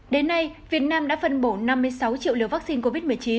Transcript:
đến nay việt nam đã phân bổ năm mươi sáu triệu liều vaccine covid một mươi chín